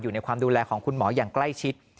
อยู่ในความดูแลของคุณหมออย่างใกล้ชิด